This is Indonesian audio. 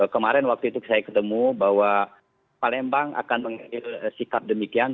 kemarin waktu itu saya ketemu bahwa palembang akan mengambil sikap demikian